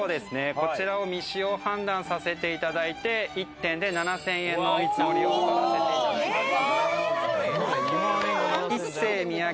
こちらを未使用判断させていただいて、１点で、７０００円のお見積もりを取らせていただきました。